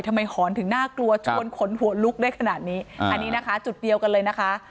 หอนถึงน่ากลัวชวนขนหัวลุกได้ขนาดนี้อันนี้นะคะจุดเดียวกันเลยนะคะ